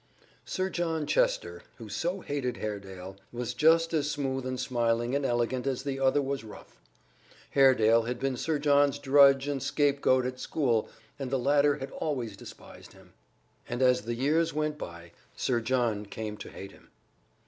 Sir John Chester, who so hated Haredale, was just as smooth and smiling and elegant as the other was rough. Haredale had been Sir John's drudge and scapegoat at school and the latter had always despised him. And as the years went by Sir John came to hate him.